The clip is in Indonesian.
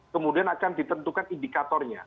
kemudian akan ditentukan indikatornya